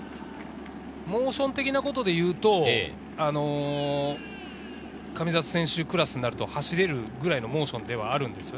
モーション的なことを言うと、神里選手クラスになると走れるくらいのモーションではあります。